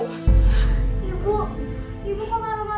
ibu kok marah marah terus sama nenek